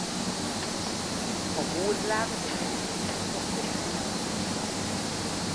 A húrláb egyébként sokféle lehet.